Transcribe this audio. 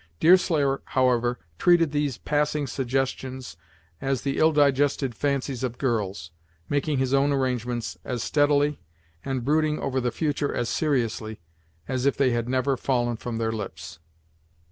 Deerslayer, however, treated these passing suggestions as the ill digested fancies of girls, making his own arrangements as steadily, and brooding over the future as seriously, as if they had never fallen from their lips.